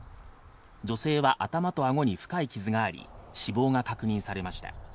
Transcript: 女性は頭と顎に深い傷があり、死亡が確認されました。